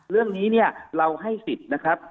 เรื่องนี้เนี่ยเราให้สิทธิ์นะครับ